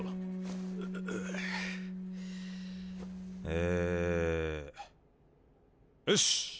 えよし！